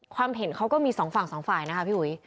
ความเห็นเขาก็มีสองฝั่งสองฝ่ายนะครับพี่หุย